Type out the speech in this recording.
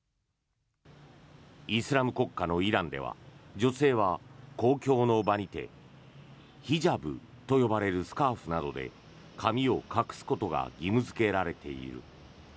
イスラム国家のイランでは女性は公共の場にてヒジャブと呼ばれるスカーフなどで髪を隠すことが義務付けられている。